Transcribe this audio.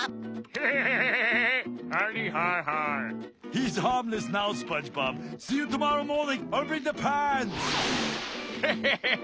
ヘヘヘヘヘ。